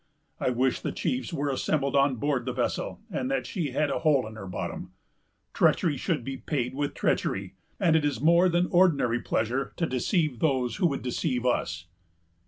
I wish the chiefs were assembled on board the vessel, and that she had a hole in her bottom. Treachery should be paid with treachery; and it is a more than ordinary pleasure to deceive those who would deceive us."